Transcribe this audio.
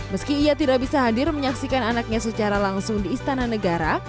meski ia tidak bisa hadir menyaksikan anaknya secara langsung di istana negara